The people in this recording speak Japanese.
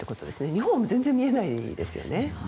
日本は全然見えないですよね。